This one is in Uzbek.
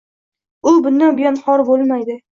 U bundan buyon xor boʻlmaydi